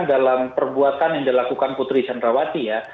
dalam perbuatan yang dilakukan putri candrawati ya